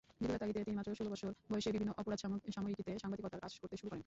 জীবিকার তাগিদে তিনি মাত্র ষোল বৎসর বয়সে বিভিন্ন অপরাধ সাময়িকীতে সাংবাদিকতার কাজ করতে শুরু করেন।